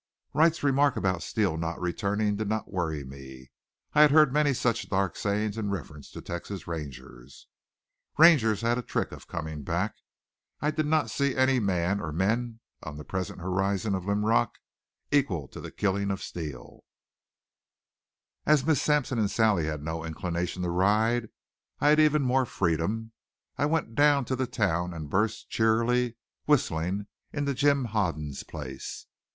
Wright's remark about Steele not returning did not worry me. I had heard many such dark sayings in reference to Rangers. Rangers had a trick of coming back. I did not see any man or men on the present horizon of Linrock equal to the killing of Steele. As Miss Sampson and Sally had no inclination to ride, I had even more freedom. I went down to the town and burst, cheerily whistling, into Jim Hoden's place.